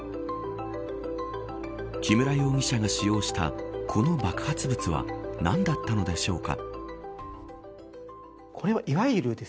木村容疑者が使用したこの爆発物は何だったのでしょうか。